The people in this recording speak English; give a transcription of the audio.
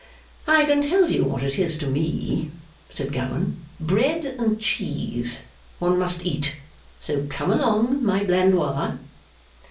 'I can tell you what it is to me,' said Gowan. 'Bread and cheese. One must eat! So come along, my Blandois.